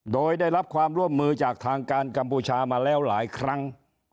โดยได้รับความร่วมมือจากทางการกัมพูชามาแล้วหลายครั้ง